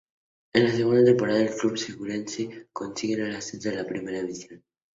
En la segunda temporada en el club gerundense consigue el ascenso a Primera División.